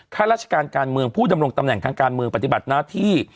ข้าราชการการเมืองผู้ดำรงตำแหน่งทางการเมืองปฏิบัติหน้าที่